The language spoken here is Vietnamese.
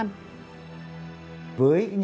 nghị định một mươi hai